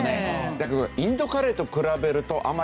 だけどインドカレーと比べるとあまり辛くない。